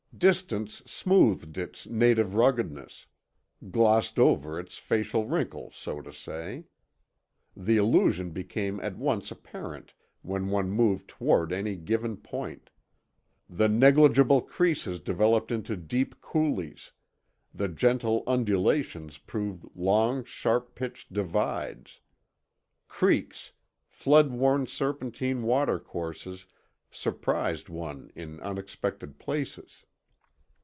Distance smoothed its native ruggedness, glossed over its facial wrinkles, so to say. The illusion became at once apparent when one moved toward any given point. The negligible creases developed into deep coulees, the gentle undulations proved long sharp pitched divides. Creeks, flood worn serpentine water courses, surprised one in unexpected places.